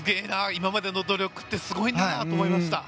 今までの努力ってすごいなと思いました。